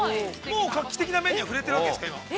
◆もう画期的な面には、触れているわけですか。